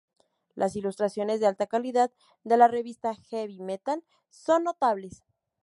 Las ilustraciones de alta calidad de la revista Heavy Metal son notables.